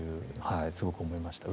はいすごく思いました。